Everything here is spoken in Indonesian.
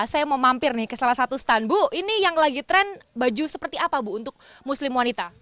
saya mau mampir nih ke salah satu stand bu ini yang lagi tren baju seperti apa bu untuk muslim wanita